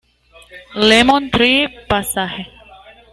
Lemon Tree Passage